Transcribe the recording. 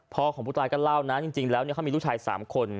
ของผู้ตายก็เล่านะจริงแล้วเขามีลูกชาย๓คน